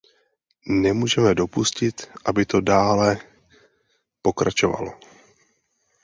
Nemůžeme dopustit, aby to dále pokračovalo.